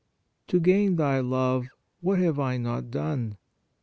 To gain thy love, what have I not done?